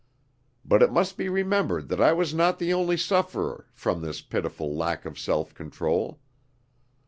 But it must be remembered that I was not the only sufferer from this pitiful lack of self control.